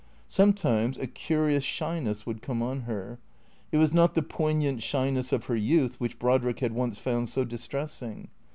Sometimes a curious shyness would come on her. It was not the poignant shyness of her youth which Brodrick had once found so distressing.